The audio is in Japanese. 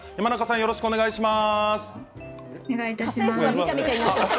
よろしくお願いします。